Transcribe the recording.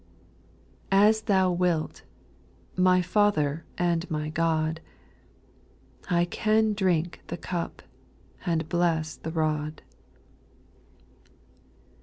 As Thou wilt 1 my Father and my God 1 I can drink the cup, and bless the rod.